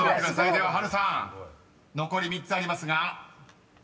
では波瑠さん残り３つありますが４番］